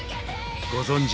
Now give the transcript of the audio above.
ご存じ